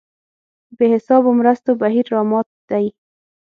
بې حسابو مرستو بهیر رامات دی.